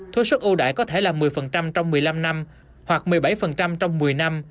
thuế xuất ưu đại có thể là một mươi trong một mươi năm năm hoặc một mươi bảy trong một mươi năm